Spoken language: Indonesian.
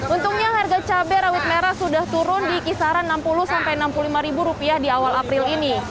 untungnya harga cabai rawit merah sudah turun di kisaran rp enam puluh enam puluh lima di awal april ini